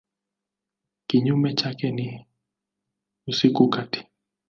Kinyume chake ni usiku kati.